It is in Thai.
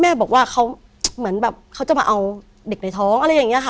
แม่บอกว่าเขาเหมือนแบบเขาจะมาเอาเด็กในท้องอะไรอย่างนี้ค่ะ